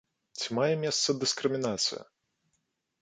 Ці мае месца дыскрымінацыя?